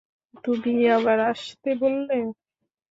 তুমিই আবার আসতে বললে।